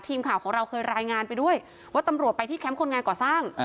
ทีมข่าวของเราเคยรายงานไปด้วยว่าตำรวจไปที่แคมป์คนงานก่อสร้าง